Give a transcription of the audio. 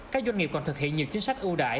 các doanh nghiệp còn thực hiện nhiều chính sách ưu đại